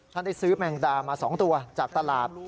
ได้ซื้อแมงดามา๒ตัวจากตลาด